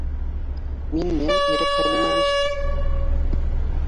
— Минме, Ирек Хәлимович?